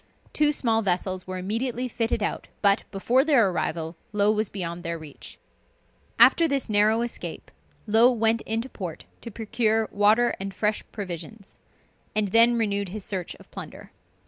Two small vessels were immediately fitted out, but, before their arrival, Low was beyond their reach. After this narrow escape, Low went into port to procure water and fresh provisions; and then renewed his search of plunder.